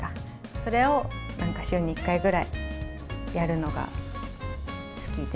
それをなんか週に１回ぐらいやるのが好きで。